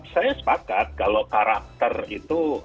saya sepakat kalau karakter itu